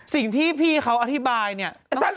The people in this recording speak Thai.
สิ่งที่พี่เขาอธิบายเนี่ย